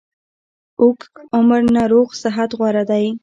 اوږد عمر نه روغ صحت غوره ده